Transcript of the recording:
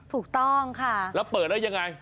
ถูกต้องค่ะแล้วเปิดแล้วยังไง